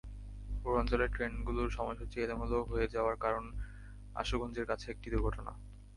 পূর্বাঞ্চলের ট্রেনগুলোর সময়সূচি এলোমেলো হয়ে যাওয়ার কারণ আশুগঞ্জের কাছে একটা দুর্ঘটনা।